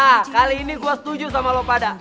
hah kali ini gue setuju sama lo pada